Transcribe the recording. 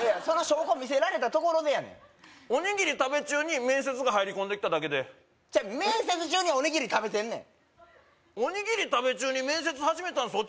その証拠見せられたところでやねんおにぎり食べ中に面接が入り込んできただけでちゃう面接中におにぎり食べてんねんおにぎり食べ中に面接始めたん